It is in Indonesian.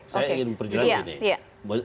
saya ingin memperjelasin ini